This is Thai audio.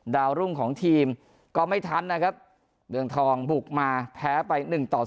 ดาวรุ่งของทีมก็ไม่ทันนะครับเมืองทองบุกมาแพ้ไป๑ต่อ๐